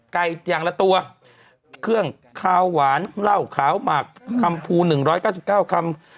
อย่างละตัวเครื่องคาวหวานเหล้าขาวหมักคำภู๑๙๙คำ